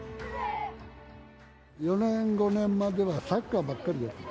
４年、５年まではサッカーばっかりやってた。